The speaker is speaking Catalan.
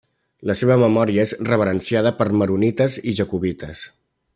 La seva memòria és reverenciada per maronites i jacobites.